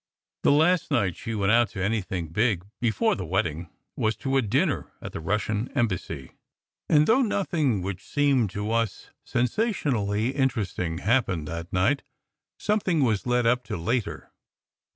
The last night she went out to anything big before the wedding was to a dinner at the Russian embassy; and though nothing which seemed to us sensationally inter esting happened that night, something was led up to later.